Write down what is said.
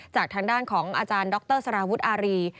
จากทางด้านของอาจารย์ดรสารวุฒิอารี